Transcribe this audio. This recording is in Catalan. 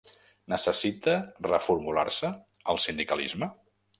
Necessita reformular-se, el sindicalisme?